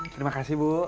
terima kasih bu